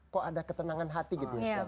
kok ada ketenangan hati gitu ya